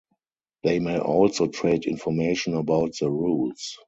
They may also trade information about the rules.